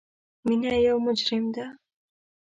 مینه یو مجرم ده